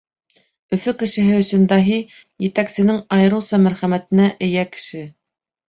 Өфө кешеһе өсөн даһи — етәксенең айырыуса мәрхәмәтенә эйә кеше.